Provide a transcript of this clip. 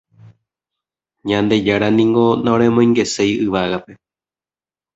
Ñandejára niko naoremoingeséi yvágape.